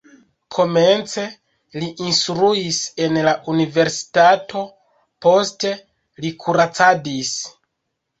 Komence li instruis en la universitato, poste li kuracadis.